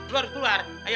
lu harus keluar ayo